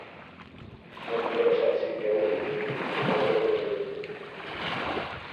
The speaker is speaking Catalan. Hem travessat cinc euros a quin corredor arribaria primer.